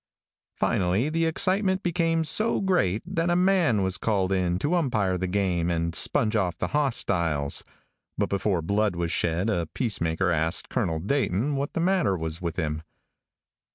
Finally the excitement became so great that a man was called in to umpire the game and sponge off the hostiles, but before blood was shed a peacemaker asked Colonel Dayton what the matter was with him.